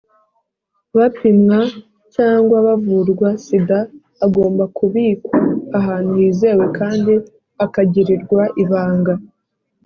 bapimwa cyangwa bavurwa sida agomba kubikwa ahantu hizewe kandi akagirirwa ibanga.